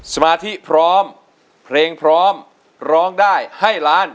สมาธิพร้อมเพลงพร้อมร้องได้ให้ล้าน